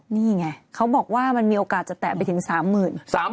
นี่ไงเขาบอกว่ามันมีโอกาสจะแตะไปถึง๓๐๐๐บาท